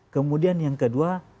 kemudian yang kedua